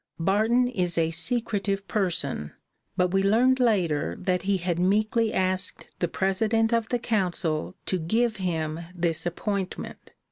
Barton is a secretive person, but we learned later that he had meekly asked the president of the Council to give him this appointment.